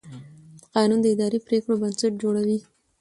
قانون د اداري پرېکړو بنسټ جوړوي.